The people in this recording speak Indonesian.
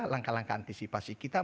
langkah langkah antisipasi kita